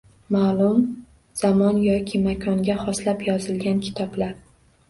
Ma’lum zamon yoki makonga xoslab yozilgan kitoblar